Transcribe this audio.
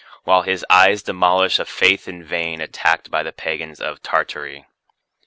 SELECTED POEMS 349 While his eyes demolish a faith in vain attacked by the pagans of Tartary1.